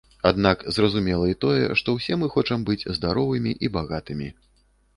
Аднак зразумела і тое, што ўсе мы хочам быць здаровымі і багатымі.